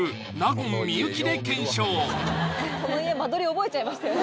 この家間取り覚えちゃいましたよね